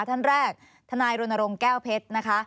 ท่านแรกทนายรณรงค์แก้วเพชรนะคะ